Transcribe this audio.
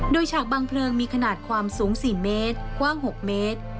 โดยฉากบางเพลิงมีขนาดความสูง๔เมตรกว้าง๖เมตร